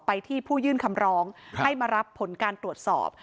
ไปที่ผู้ยื่นคำร้องให้มารับผลการตรวจสอบ